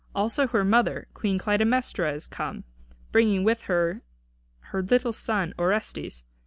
Also her mother, Queen Clytæmnestra, is come, bringing with her her little son, Orestes.